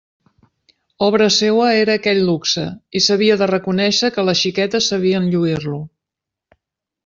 Obra seua era aquell luxe i s'havia de reconèixer que les xiquetes sabien lluir-lo.